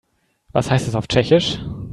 Was heißt das auf Tschechisch?